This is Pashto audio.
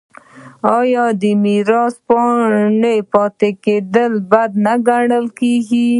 آیا د میرات پاتې کیدل بد نه ګڼل کیږي؟